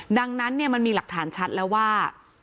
ดังนั้นมันมีหลักฐานชัดแล้วว่า